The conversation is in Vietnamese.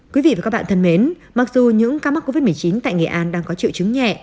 quý vị và các bạn thân mến mặc dù những ca mắc covid một mươi chín tại nghệ an đang có triệu chứng nhẹ